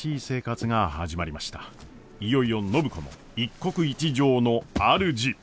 いよいよ暢子も一国一城のあるじ！